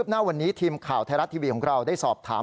หน้าวันนี้ทีมข่าวไทยรัฐทีวีของเราได้สอบถาม